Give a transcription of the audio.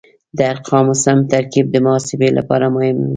د ارقامو سم ترکیب د محاسبې لپاره مهم و.